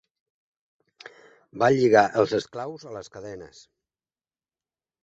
Va lligar els esclaus a les cadenes.